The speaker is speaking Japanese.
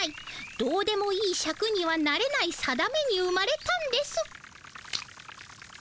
どうでもいいシャクにはなれない定めに生まれたんです」。